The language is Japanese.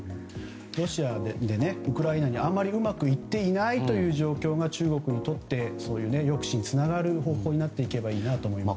ロシアが、ウクライナにあまりうまくいっていない状況が中国にとって抑止につながる方向になっていけばいいなと思いました。